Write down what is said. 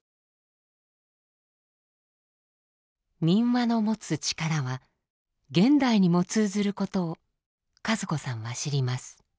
民話の持つ力は現代にも通ずることを和子さんは知ります。